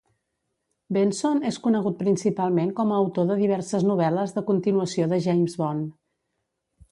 Benson és conegut principalment com a autor de diverses novel·les de continuació de James Bond.